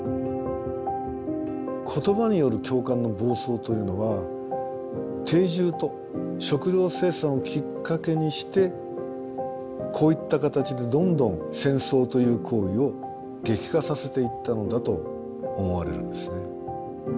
言葉による共感の暴走というのは定住と食料生産をきっかけにしてこういった形でどんどん戦争という行為を激化させていったのだと思われるんですね。